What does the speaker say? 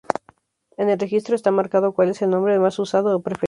En el registro, está marcado cuál es el nombre más usado o preferido.